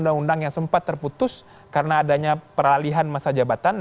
undang undang yang sempat terputus karena adanya peralihan masa jabatan